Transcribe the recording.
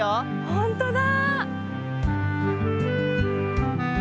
ほんとだ！